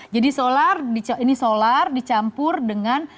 jadi solar ini solar dicampur dengan